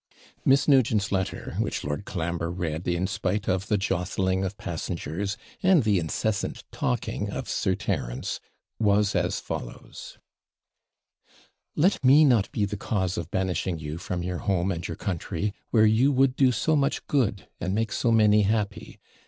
Miss Nugent's letter, which Lord Colambre read in spite of the jostling of passengers, and the incessant talking of Sir Terence, was as follows: Let me not be the cause of banishing you from your home and your country, where you would do so much good, and make so many happy.